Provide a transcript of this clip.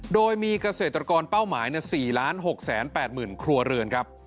โดยมีเกษตรกรเป้าหมาย๔๖๘๐๐๐ครัวเรือนครับ